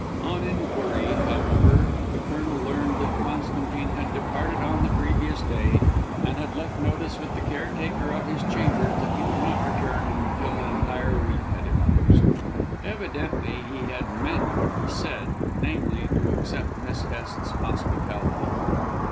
On inquiry, however, the Colonel learned that Constantine had departed on the previous day and had left notice with the caretaker of his chambers that he would not return until an entire week had elapsed. Evidently he had meant what he said, namely, to accept Miss Hest's hospitality.